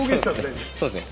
そうですね